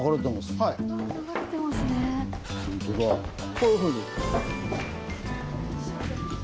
こういうふうに。